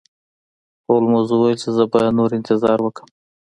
هولمز وویل چې زه باید نور انتظار وکړم.